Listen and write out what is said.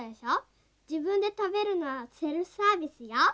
じぶんでたべるのはセルフサービスよ。